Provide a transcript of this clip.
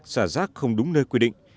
xả rác không đúng nơi quy định